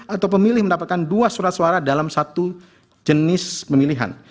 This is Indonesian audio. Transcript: atau pemilih mendapatkan dua surat suara dalam satu jenis pemilihan